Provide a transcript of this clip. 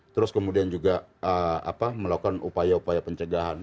terus kemudian juga melakukan upaya upaya pencegahan